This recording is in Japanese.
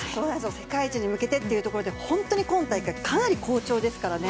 世界一に向けてというところで本当に今大会かなり好調ですからね。